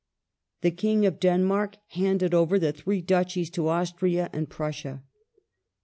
The King of Denmark handed over the three Duchies to Austria and Prussia.